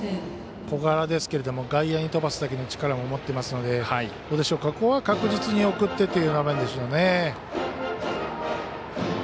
小柄ですけども外野に飛ばすだけの力持ってますのでここは確実に送ってという場面でしょうね。